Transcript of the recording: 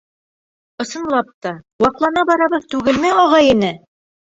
Ысынлап та, ваҡлана барабыҙ түгелме, ағай-эне?